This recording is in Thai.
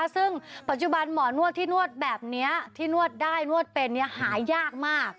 ซึ่งปัจจุบันหมอนวดที่นวดแบบนี้ที่นวดได้นวดเป็นหายากมาก